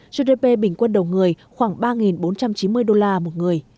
gdp bình quân đầu người khoảng ba bốn trăm chín mươi đô la một người